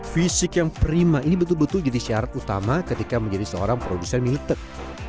fisik yang prima ini betul betul jadi syarat utama ketika menjadi seorang produsen mie letek